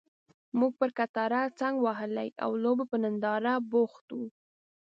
موږ پر کټاره څنګ وهلي او لوبو په ننداره بوخت وو.